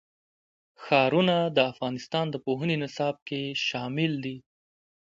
ښارونه د افغانستان د پوهنې نصاب کې شامل دي.